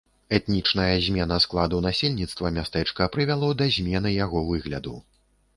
Этнічная змена складу насельніцтва мястэчка прывяло да змены яго выгляду.